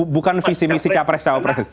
bukan visi misi capres sama pres